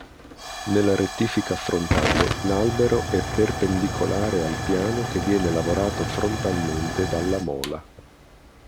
Nella rettifica frontale l'albero è perpendicolare al piano che viene lavorato frontalmente dalla mola.